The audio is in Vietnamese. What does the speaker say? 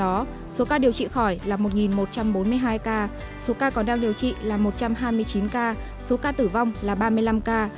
như vậy hiện tổng số ca mắc là một ba trăm linh sáu người trong đó số ca điều trị khỏi là một một trăm bốn mươi hai ca số ca còn đang điều trị là một trăm hai mươi chín ca số ca tử vong là ba mươi năm ca